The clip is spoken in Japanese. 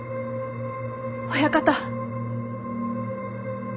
親方。